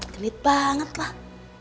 genit banget lah